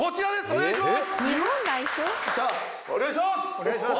お願いします